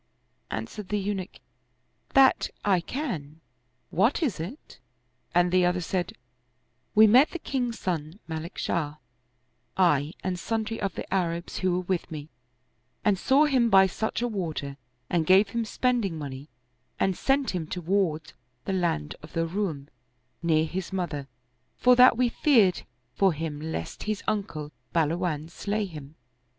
Answered the Eunuch, " That I can! What is it? *' and the other said, " We met the king's son, Malik Shah, I and sundry of the Arabs who were with me, and saw him by such a water and gave him spending money and sent him toward the land of the Roum, near his mother, for that we feared for him lest his uncle Bahluwan slay him."